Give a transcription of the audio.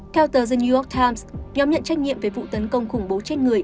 theo tờ the new york times nhóm nhận trách nhiệm về vụ tấn công khủng bố chết người